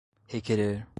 requerer